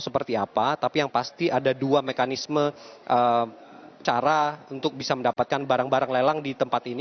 seperti apa tapi yang pasti ada dua mekanisme cara untuk bisa mendapatkan barang barang lelang di tempat ini